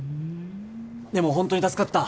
でも本当に助かった。